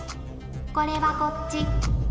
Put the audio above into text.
これはこっち。